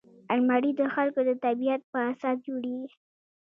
الماري د خلکو د طبعیت په اساس جوړیږي